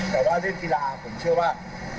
แต่ว่าเรื่องกีฬาผมเชื่อว่า